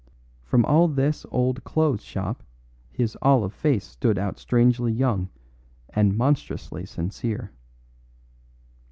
From all this old clothes shop his olive face stood out strangely young and monstrously sincere.